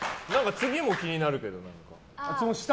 次も気になるけど。